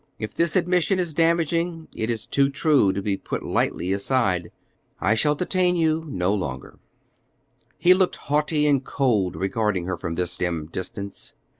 If this admission is damaging, it is too true to be put lightly aside. I shall not detain you longer." He looked haughty and cold regarding her from this dim distance.